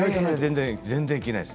全然着ないです。